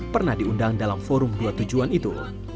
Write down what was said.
pernah di undang dalam forum dua tujuan itu